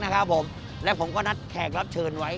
นะครับผมและผมก็นัดแขกรับเชิญไว้